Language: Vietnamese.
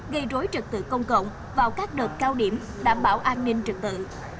gây rối trật tự công cộng vào các đợt cao điểm đảm bảo an ninh trực tự